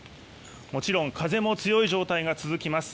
もちろん風も強い状態が続きます。